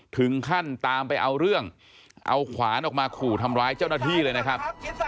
ถึงขั้นตามไปเอาเรื่องเอาขวานออกมาขู่ทำร้ายเจ้าหน้าที่เลยนะครับ